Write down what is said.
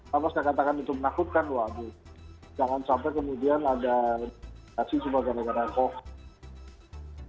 kalau saya katakan itu menakutkan waduh jangan sampai kemudian ada kondisi cuma gara gara covid